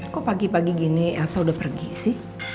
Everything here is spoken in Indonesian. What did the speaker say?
kok pagi pagi gini atau udah pergi sih